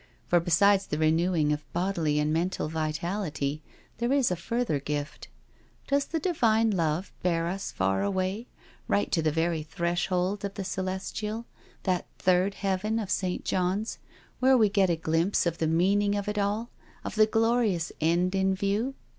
For be sides the renewing of bodily and mental vitality there is a further gift. Does the Divine Love bear us far away, right to the very threshold of the Celestial — ^that Third Heaven of St. John's, where we get a glimpse IN THE PUNISHMENT CELL 273 of the meaning of it all — of the glorious end in view?